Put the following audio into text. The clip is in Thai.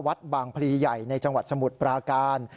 วัดบางพลีใหญ่ในจังหวัดสมุทรปราการ